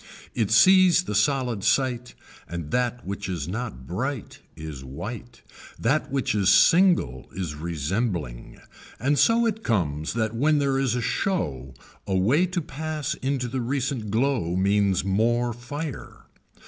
It sees the solid sight and that which is not bright is white, that which is single is resembling and so it comes that when there is a show a way to pass into the recent glow means more fire.